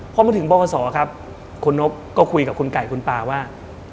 พอมาถึงบขครับคุณนบก็คุยกับคุณไก่คุณป่าว่า